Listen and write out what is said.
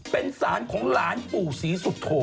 เป็นศาลของหลานปุ๋ศรีสุธโท